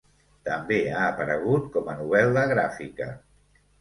També ha aparegut com a novel·la gràfica.